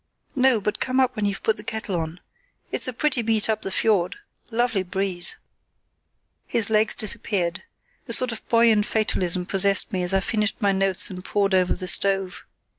"No, but come up when you've put the kettle on. It's a pretty beat up the fiord. Lovely breeze." His legs disappeared. A sort of buoyant fatalism possessed me as I finished my notes and pored over the stove.